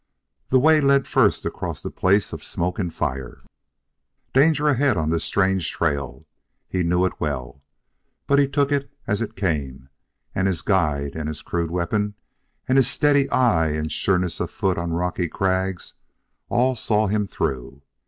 The way led first across the place of smoke and fire. Danger ahead on this strange trail; he knew it well. But he took it as it came; and his guide, and his crude weapon, and his steady eye and sureness of foot on rocky crags all saw him through.